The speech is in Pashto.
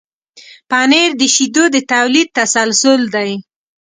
پنېر د شیدو د تولید تسلسل دی.